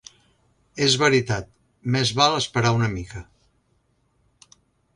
És veritat: més val esperar una mica.